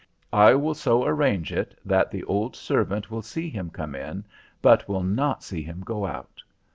I will so arrange it that the old servant will see him come in but will not see him go out.